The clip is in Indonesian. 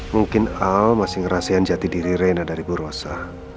mungkin al masih ngerasain jati diri rena dari bu rosa